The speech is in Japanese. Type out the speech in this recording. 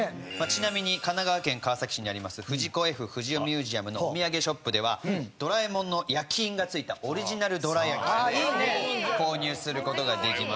ちなみに神奈川県川崎市にあります藤子・Ｆ・不二雄ミュージアムのお土産ショップではドラえもんの焼き印が付いたオリジナルどら焼きを購入する事ができます。